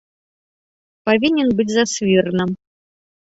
Павінен быць за свірнам.